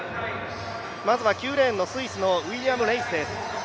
まずは９レーン、スイスのウィリアム・レイスです。